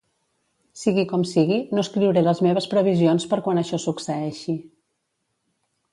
Sigui com sigui, no escriuré les meves previsions per quan això succeeixi.